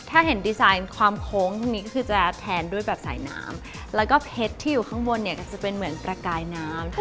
ถ้าเห็นดีไซน์ความโค้งพวกนี้ก็คือจะแทนด้วยแบบสายน้ำแล้วก็เพชรที่อยู่ข้างบนเนี่ยก็จะเป็นเหมือนประกายน้ำ